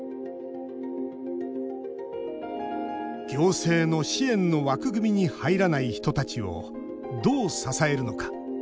行政の支援の枠組みに入らない人たちをどう支えるのか。